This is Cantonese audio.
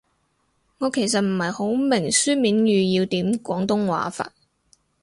我其實唔係好明書面語要點廣東話法